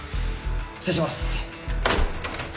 失礼します。